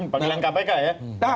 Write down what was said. panggilan kpk ya